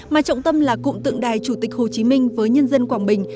mà trọng tâm là cụm tượng đài chủ tịch hồ chí minh với nhân dân quảng bình